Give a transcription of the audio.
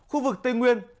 khu vực tây nguyên